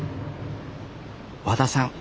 和田さん